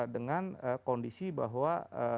dengan kondisi bahwa